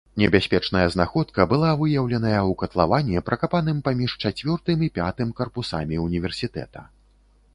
Небяспечная знаходка была выяўленая ў катлаване, пракапаным паміж чацвёртым і пятым карпусамі універсітэта.